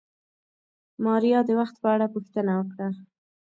ماريا د وخت په اړه پوښتنه وکړه.